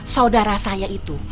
saudara saya itu